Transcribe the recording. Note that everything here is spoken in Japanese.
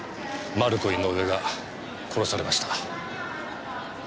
マルコ・イノウエが殺されました。